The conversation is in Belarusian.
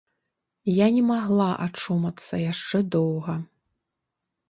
Я не магла ачомацца яшчэ доўга.